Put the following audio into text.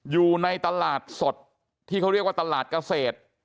อยู่ในตลาดสดที่เขาเรียกว่าตลาดเกษตร